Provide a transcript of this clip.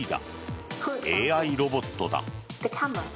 ＡＩロボットだ。